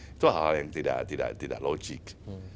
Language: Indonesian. itu hal hal yang tidak logik